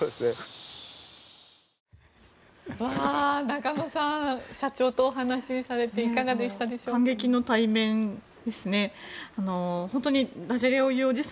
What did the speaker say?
中野さん社長とお話しされていかがだったでしょうか。